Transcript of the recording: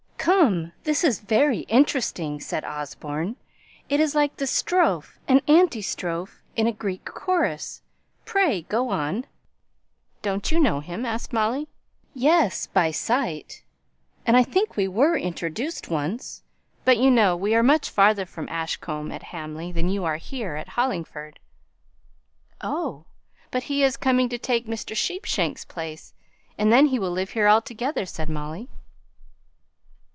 "Come, this is very interesting," said Osborne. "It is like the strophe and anti strophe in a Greek chorus. Pray, go on." "Don't you know him?" asked Molly. "Yes, by sight, and I think we were once introduced. But, you know, we are much farther from Ashcombe, at Hamley, than you are here, at Hollingford." "Oh! but he's coming to take Mr. Sheepshanks' place, and then he'll live here altogether," said Molly.